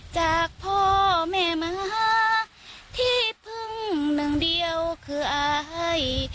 จากพ่อแม่ม้าที่พึ่งหนึ่งเดียวคืออาย